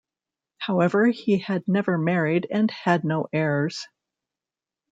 However he had never married and had no heirs.